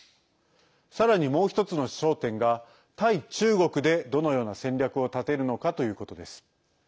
さらに、もう１つの焦点が対中国でどのような戦略を立てるのかということです。